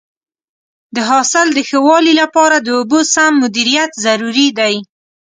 د حاصل د ښه والي لپاره د اوبو سم مدیریت ضروري دی.